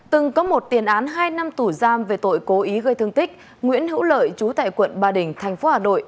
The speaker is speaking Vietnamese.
từng có một tiền án hai năm tù giam về tội cố ý gây thương tích nguyễn hữu lợi trú tại quận ba đình thành phố hà nội